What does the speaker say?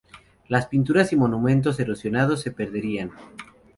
Las pinturas y monumentos erosionados se perderían.